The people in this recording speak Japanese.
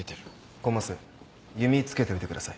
コンマス弓つけておいてください。